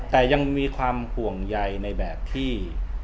แต่ยังมีความห่วงใยในแบบที่